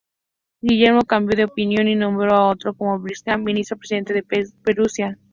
Guillermo cambió de opinión y nombró a Otto von Bismarck ministro presidente de Prusia.